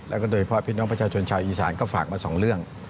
แล้วก็โดยเฉพาะพี่น้องประชาชนชาวอีสานก็ฝากมาสองเรื่อง